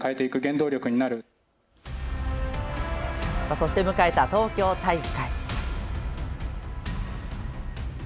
そして迎えた東京大会。